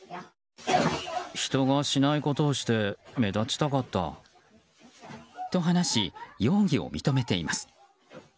人がしないことをして目立ちたかった。と話し、容疑を認めています。